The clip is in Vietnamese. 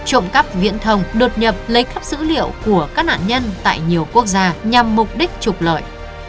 trộm cắp viễn thông đột nhập lấy cắp dữ liệu của các nạn nhân tại nhiều quốc gia nhằm mục đích trục lợi